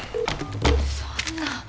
そんな。